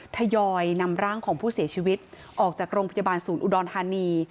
ทยอยนำร่างของผู้เสียชีวิตออกจากโรงพยาบาลศูนย์อุดรธานี